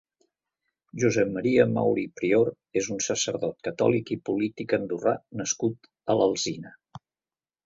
Josep Maria Mauri i Prior és un sacerdot catòlic i polític andorrà nascut a L'Alzina.